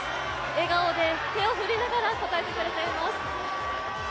笑顔で手を振りながら応えて応えてくれています。